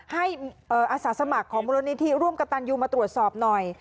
ให้อาสาสมัครของมูลนิธิร่วมกับตันยูมาตรวจสอบหน่อย